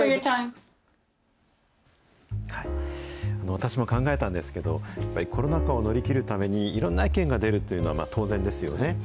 私も考えたんですけど、コロナ禍を乗り切るために、いろんな意見が出るというのは当然ですよね。